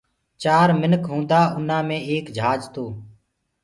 چآر منک هوندآ انآ مي ايڪ جھاج تو